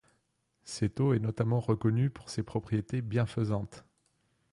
Cette eau est notamment reconnue pour ses propriétés bienfaisantes.